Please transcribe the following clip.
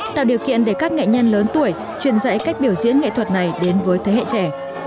tạo điều kiện để các nghệ nhân lớn tuổi truyền dạy cách biểu diễn nghệ thuật này đến với thế hệ trẻ